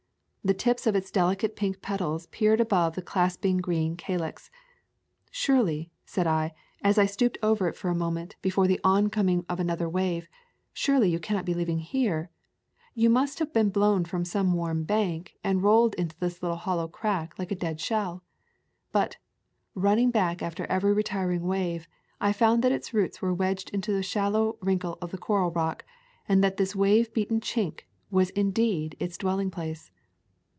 The tips of its delicate pink petals peered above the clasping green calyx. "Surely," said I, as I stooped over it for a mo [ 162 ] AA Sojourn in Cuba ment, before the oncoming of another wave, "surely you cannot be living here! You must have been blown from some warm bank, and rolled into this little hollow crack like a dead shell." But, running back after every retiring wave, I found that its roots were wedged into a shallow wrinkle of the coral rock, and that this wave beaten chink was indeed its dwelling place.